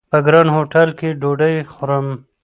په ګران هوټل کې ډوډۍ خورم!